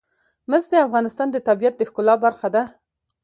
مس د افغانستان د طبیعت د ښکلا برخه ده.